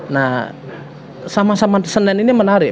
nah sama sama senin ini menarik